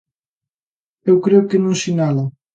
Eu creo que non, sinala.